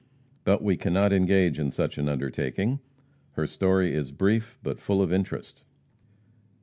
But we cannot engage in such an undertaking. Her story is brief, but full of interest.